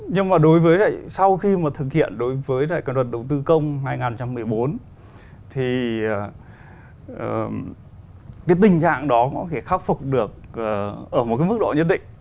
nhưng mà đối với lại sau khi mà thực hiện đối với lại cái luật đầu tư công hai nghìn một mươi bốn thì cái tình trạng đó có thể khắc phục được ở một cái mức độ nhất định